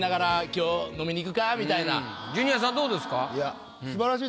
ジュニアさんどうですか？